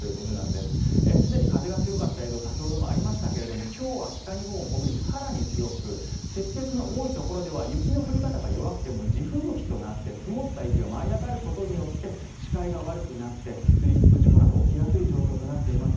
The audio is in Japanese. すでに風が強かった映像先ほどもありましたけれど今日は北日本、北陸更に強く積雪の多いところでは雪の降り方が弱くても地吹雪となって積もった雪が舞い上がることによって視界が悪くなってスリップ事故などが起きやすい状況となっています。